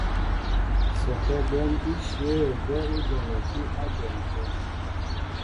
Sɔkɛ́ gwɛ̌n íshyə̂ gwɛ́ ú janɛkí á dwɔn tə̂.